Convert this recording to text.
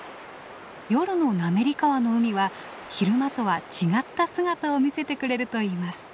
夜の滑川の海は昼間とは違った姿を見せてくれるといいます。